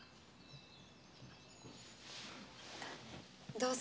どうぞ。